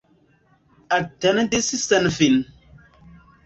Atendis senfine.